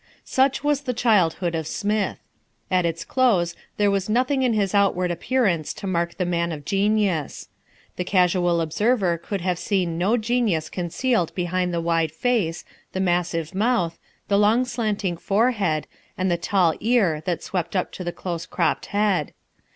Such was the childhood of Smith. At its close there was nothing in his outward appearance to mark the man of genius. The casual observer could have seen no genius concealed behind the wide face, the massive mouth, the long slanting forehead, and the tall ear that swept up to the close cropped head.